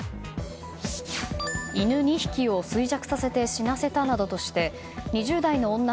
犬２匹を衰弱させて死なせたなどとして２０代の女